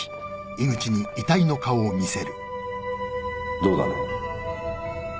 どうだね？